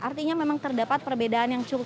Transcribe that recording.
artinya memang terdapat perbedaan yang cukup